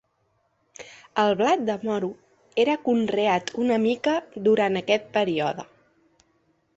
El blat de moro era conreat una mica durant aquest període.